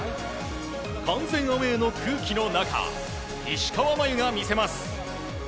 完全アウェーの空気の中石川真佑が魅せます。